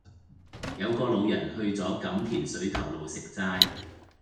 有個老人去左錦田水頭路食齋